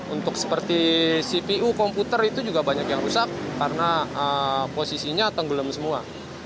untuk seperti cpu komputer itu juga banyak yang rusak karena posisinya tenggelam semua